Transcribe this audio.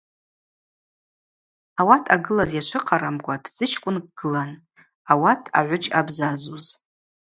Ауат ъагылаз йачвыхъарамкӏва тдзычкӏвынкӏ гылан – ауат агӏвыджь ъабзазуз.